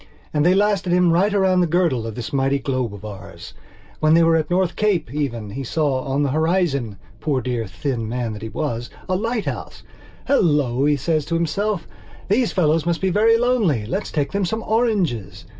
And they lasted him right round the girdle of this mighty globe of ours. When they were at North Cape, even, he saw on the horizon, poor dear thin man that he was, a lighthouse. "Hello," says he to himself, "these fellows must be very lonely. Let's take them some oranges."